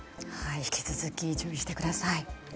引き続き注意してください。